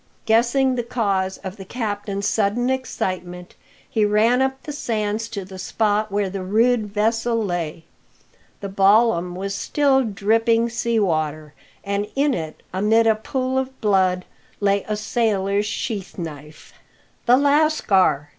Guessing the cause of the captain's sudden excitement, he ran up the sands to the spot where the rude vessel lay. The ballam was still dripping sea water; and in it, amid a pool of blood, lay a sailors sheath knife. "The lascar!"